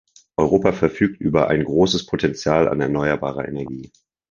Europa verfügt über ein großes Potenzial an erneuerbarer Energie.